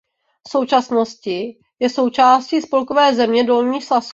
V současnosti je součástí spolkové země Dolní Sasko.